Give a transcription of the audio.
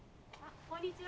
こんにちは。